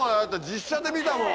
実写で見たもん。